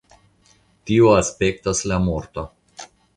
Tio aspektas la morto.